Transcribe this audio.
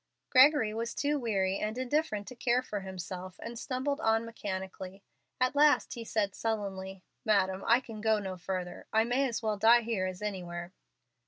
Gregory was too weary and indifferent to care for himself, and stumbled on mechanically. At last he said, sullenly, "Madam, I can go no further. I may as well die here as anywhere."